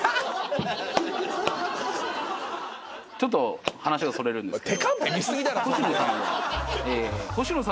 ちょっと話がそれるんですけど。